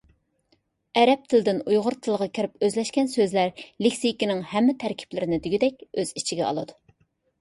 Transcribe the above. ئەرەب تىلىدىن ئۇيغۇر تىلىغا كىرىپ ئۆزلەشكەن سۆزلەر لېكسىكىنىڭ ھەممە تەركىبلىرىنى دېگۈدەك ئۆز ئىچىگە ئالىدۇ.